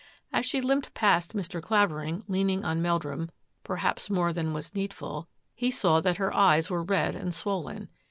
As she limped past Mr. Clavering, leaning on Meldrum, perhaps more than was needful, he saw that her eyes were red and swollen.